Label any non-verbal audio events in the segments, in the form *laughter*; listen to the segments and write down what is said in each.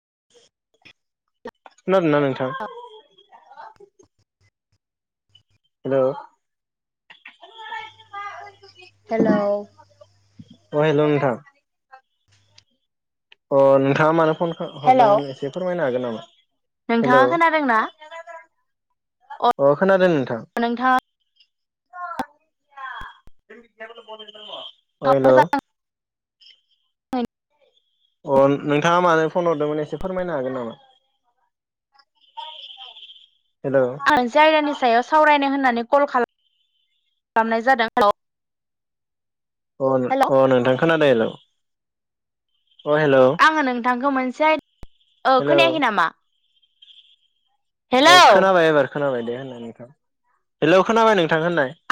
*unintelligible* खोनादोना नोंथां हेल हेलौ अ हेल नोंथां अ नोंथाङा मान फनखो हेलौ हरदोंमोन एसे फोरमायनो हागोन *unintelligible* हेल' नोंथाङा खोनादोंना अ खोनादों नोंथां नोंथाङा *unintelligible* हेल' अ आ *inaudible* अ नोंथाङा मानो फन हरदोंमोन एसे फोरमायनो हागोन नामा । आं जायगानि सायाव सावरायनो होनां क *inaudible* खालामनाय जा *inaudible* अ अ नोंथां खोनादों हेल अ हेल' आङो नोंथांखौ मोनसे *inaudible* अ हेल' खोनायाखै नामा अ हेलौ खोनाबाय एबार खोनाबाय दे होनना नोंथां हेलौ खोनाबाय नोंथ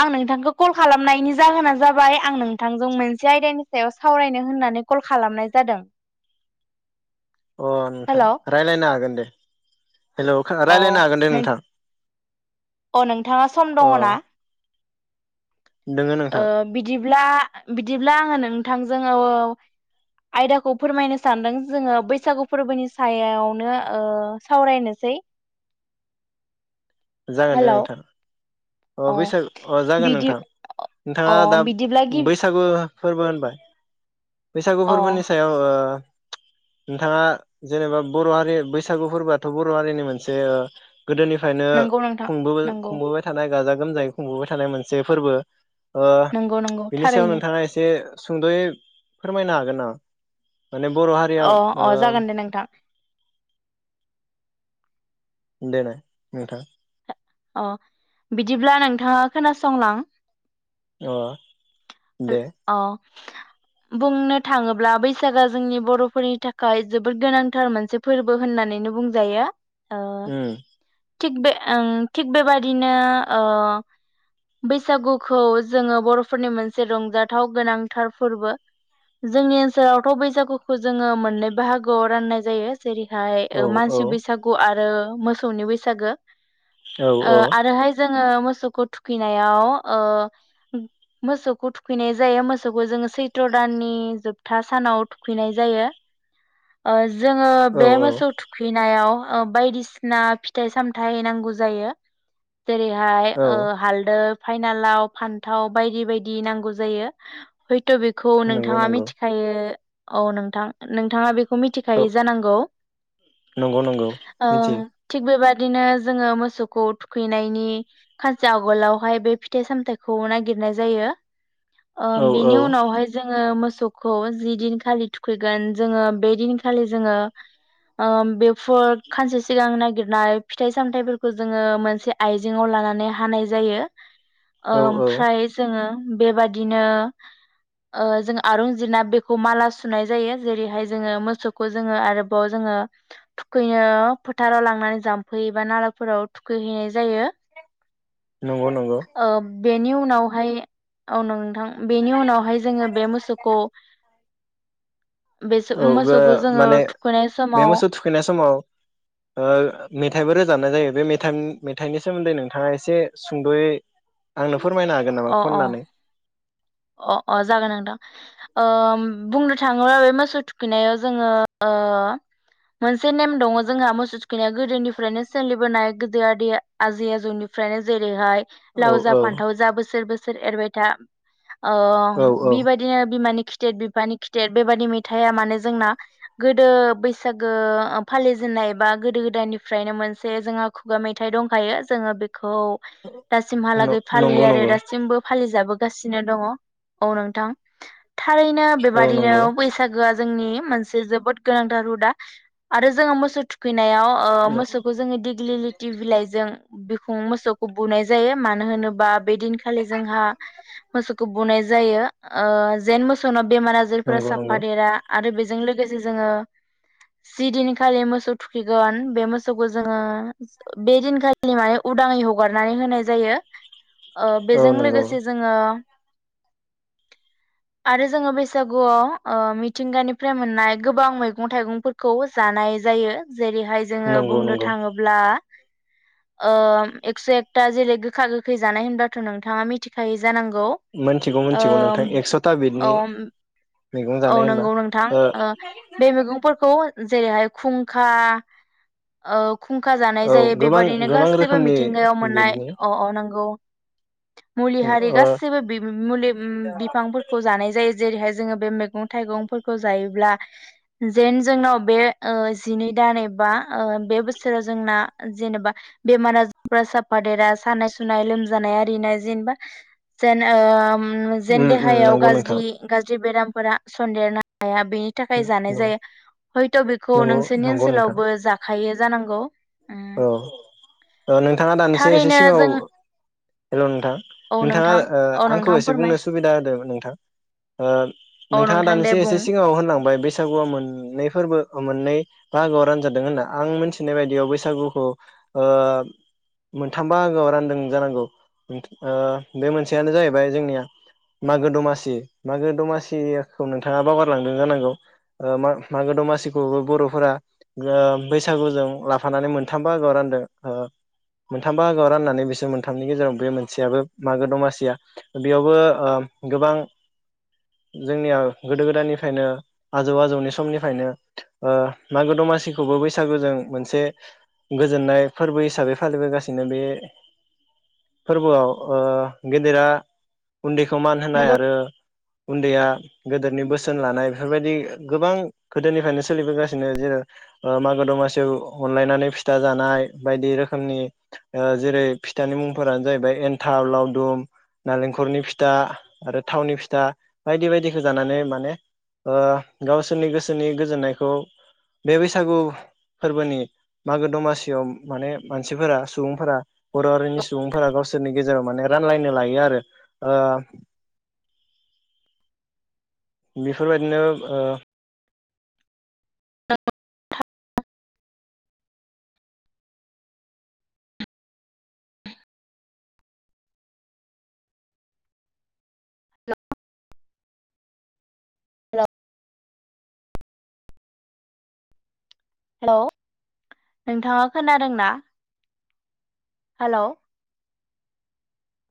आं नोंथांखौ कल खालामनायनि जाहोना जाबाय आं नों नोंथांजों मोनसे आयदानि सायाव सावरायनो होननानै कल खालामनाय जादों । अ नोंथां रायलायनो हागोन दे हेलौ अ रायलायनो हागोन दे नों नोंथां अ नोंथाङा सम दङ अ ना दोङो ओ नोंथां बिदिब्ला बिदिब्ला आङो नों नोंथां जोङो आयदाखौ फोरमायनो सानदों जोङो बैसागु फोरबोनि सायावनो ओ सावरायनोसै जागोन दे हेलौ नोंथां अ बैसागु अ जागोन बिदि नोंथां अ नोंथाङा दा बिदिब्ला गिबि बैसागु फोरबो होनबाय बैसागु अ फोरबोनि सायाव ओ नोंथाङा जेनेबा बर हारि बैसागु फोरबोआथ बर हारिनि मोनसे गोदोनिफ्रायनो नंगौ नोंथां खुंबोबाय नंगौ खुंबोबाय थायो गाजा गोमजायै खुंबोबाय थानाय मोनसे फोरबो ओ नंगौ नंगौ बिनि सायाव थारैनो नोंथाङा एसे सुंदयै फोरमायनो हागोन ना अ अ जागोन दे नोंथां दे नाय नोंथां अ बिदिब्ला नोंथाङा खोनासंलां अ दे अ बुंनो थाङोब्ला बैसागुआ जोंनि बरफोरनि थाखाय जोबोद गोनांथार मोनसे फोरबो होननानैनो बुंजायो ओम थिक बे ओ थिग बेबादिनो ओ बैसागुखौ जोङो बरफोरनि मोनसे रंजाथाव गोनांथार फोरबो जोंनि ओनसोलावथ बैसागुखौ जोङो मोननै बाहागोआव राननाय जायो जेरै औ औ मानसि बैसागु आरो आरो मोसौनि बैसागो औ ओ आरोहाय जों जोङो मोसौखौ थुखैनायाव ओ मोसौखौ थुखैनाय जायो मोसौखौ जोङो सैथ्र दाननि जोबथा सानाव थुखैनाय जायो ओ जोङो औ बे मोसौ औ थुखैनायाव ओ बायदिसिना फिथाइ सामथाय नांगौ जायो जायो जेरैहाय औ हालदै फाइनालाव फान्थाव बायदि बायदि नांगौ जायो थ बेखौ नंगौ नोंथाङा नंगौ मिथिखायो औ नोंथां नोंथाङा बेखौ औ मिथिखायो जानांगौ नंगौ नंगौ मिथियो ओम थिखबेबाय बिदिनो जोङो मोसौ मोसौखौ थुखैनायनि खानसे आगोलावहाय बे फिथाइ सामथायाइखौ नागिरनाय जायो ओ औ औ बेनि उनावहाय जोङो मोसौ मोसौखौ जिदिनखालि थुखैगोन जोङो बे दिनखालि जोङो बेफोर खानसे सिगां नागिरनाय फिथाइ सामथायफोरख जोङो मोनसे आइजेंआव लानानै हानाय जायो औ औ ओमफ्राय जोङो बेबादिनो ओ जों आरं जिरना बेखौ माला सुनाय जायो जेरैहाय जोङो मोसौखौ जोङो आरोबाव जोङो थुखैनो फोथाराव लांनानै जाम्फै बा नाला फोराव थुखैहैनाय जायो नंगौ नंगौ ओ बेनि उनावहाय औ नोंथां बेनि उनावहाय जोङो बे मोसौखौ बे औ बे मोसौखौ जोङो माने थुखैनाय बे समाव मोसौ थुखैनाय समाव ओ मेथाइबो रोजाबनाय जायो बे मेथान मेथाइनि सोमोन्दै नोंथाङा एसे सुंदयै आंनो फोरमायनो हागोन नामा अ अ खननानै अ अ जागोन नोंथां ओ बुंनो थाङो आरो बे मोसौ थुखैनायाव जोङो मोनसे नेम दङ जोंहा मोसौ थुखैनायाव गोदोनिफ्रायनो सोलिबोनाय गोदो आदै आजै आजौनिफ्रायनो जेरैहाय औ लाव जा औ फान्थाव जा बोसोर बोसोर एरबाय था अ औ औ बिबायदिनो बिमानि खि खिथेर बिफानि खिथेर बेबादि मेथाइआ मानो जोंना गोदो बैसागो फालिजेननाय बा गोदो गोदायनिफ्रायनो मोनसे जोंहा खुगा मेथाइ दंखायो जोङो बे खौ दासिमहालागै नंगौ फालियो आरो नंगौ दासिमबो फालि जाबो गासिनो दङ औ नोंथां थारैनो औ बेबादिनो नंगौ बैसागोआ जोंनि मोनसे जोबोद गोनांथार हुदा आरो जोङो मोसौ थुखैनो नायाव ओ मोसौखौ जोङो दिग्लि लिथि बिलाइजों बु मोसौखौ बुनाय जायो मानो होनोबा बे दिनखालि जोंहा मोसौ बुनाय जायो ओ जेन मोसौनाव बेमार आजारफोरा नंगौ साफा नंगौ देरा आरो बे जों लोगोसे जोङो जिदिनखालि मोसौ थुखैगोन बे मोसौखौ जोङो बे दिनखालि माने उदाङै हगारनानै होनाय जायो ओ औ बेजों नंगौ लोगोसे जोङो आरो जोङो बैसागुआव मिथिंगानिफ्राय मोननाय गोबां मैगं थाइगंफोरखौ जानाय जायो जेरैहाय जोङो नंगौ बुंनो नंगौ थाङोब्ला ओ एक्स एकथा जेरै गोखा गोखै जानाय होनबाथ नोंथाङा मिथिखायो जानांगौ मिथिगौ ओ मिथिगौ नोंथां एक्सथा औ बिडनि औ नंगौ नोंथां ओ बे मैगंफोरखौ जेरैहाय खुंखा ओ खुंखा जानाय औ जायो गोबां बेबादिनो गोबां गासैबो रोखोमनि मिथिंगायाव मोननाय बिदनि अ अ नांगौ मुलि हारि ओ गासैबो बि मुलि उम बिफांफोरखौ जानाय जायो जेरैहाय जोङो बे मैगं थाइगंफोरखौ जायोब्ला जेन जोंनाव बे ओ जिनै दान एबा बे बोसोराव जोंना जेनेबा बेमार आजारफ्रा साफादेरा सानाय सुनाय लोमजानाय आरिनाय जेनेबा जेन ओ ओन उम जेन देहायाव नंगौ नोंथां गाज्रि गाज्रि जि बेरामफोरा सन्देेर ना *unintelligible* हाया बेनि थाखाय जानाय नंगौ जायो हयथ' बेखौ नोंसोरनि नंगौ नोंथां ओनसोलावबो जाखायो जानांगौ उम औ ओ नोंथाङा दानोसै एसे थारैनो सिगाङाव जों हेल नोंथां औ नोंथाङा नोंथां ओ औ आंखौ नोंथां एसे बुंनो फोरमाय सुबिदा होदों नोंथां ओ औ नोंथाङा नोंथां दे दानोसै एसे बुं सिगाङाव होनलांबाय बैसागुआ मोननै फोरबो ओ मोननै‌ बाहागोआव रानजादों होनना आं मोनथिनाय बायदिआव बैसागु बैसागुखौ ओ मोनथाम बाहागोआव रानदों जानांगौ ओ बे मोनसेआनो जाहैबाय जोंनिआ मागो दमासि मागो दमासिखौ नोंथाङा बावगारलांदों जानांगौ ओ मागो दमासिखौबो बर'फोरा बैसागोजों थानानै मोनथाम बाहागोआव रानदों ओ मोनथाम बाहागोआव राननानै बिसोर मोनथामनि गेजेराव बे मोनसेयाबो मागो दमासिया बेयावबो गोबां जोंनिया गोदो गोदायनिफ्रायनो आजौ आजौनि समनिफ्रायनो ओ मागो दमासिखौबो बैसागुजों मोनसे गोजोननाय फोरबो हिसाबै फालिबोगासिनो बे फोरबोआव ओ गेदेरा उन्दैखौ मान होनाय नंगौ आरो उन्दैया गोदोरनि बोसोन लानाय बेफोरबायदि गोबां गोदोनिफ्रायनो सोलिबोगासिनो जेरै मागो दमासियाव अनलायनानै फिथा जानाय बायदि रोखोमनि जेरै फिथानि मुंफोरानो जाहैबाय एन्थाव, लावदुम, नालेंखरनि फिथा आरो थावनि फिथा बायदि बायदिखौ जानानै माने ओ गावसोरनि गोसोनि गोजोननायखौ बे बैसागु फोरबोनि मागो दमासियाव माने मानसिफोरा सुबुंफोरा बर' हारिनि सुबुंफोरा गावसोरनि गेजेराव मान रानलायनो लायो आरो ओ बेफोरबायदिनो ओ हेल नोंथाङा खोनादोंना हेल